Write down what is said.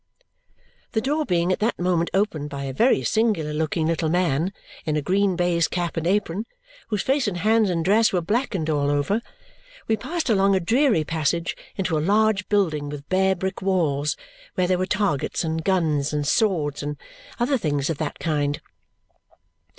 The door being at that moment opened by a very singular looking little man in a green baize cap and apron, whose face and hands and dress were blackened all over, we passed along a dreary passage into a large building with bare brick walls where there were targets, and guns, and swords, and other things of that kind.